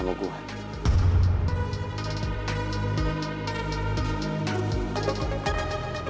dendam sama gua